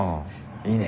いいね。